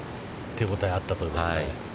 手応えあったということですね。